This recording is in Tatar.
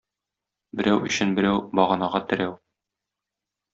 Берәү өчен берәү - баганага терәү.